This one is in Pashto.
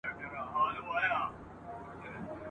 په دې تور اغزن سفر کي انسانان لکه ژوري !.